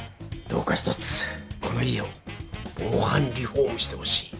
どうか一つこの家を防犯リフォームしてほしい。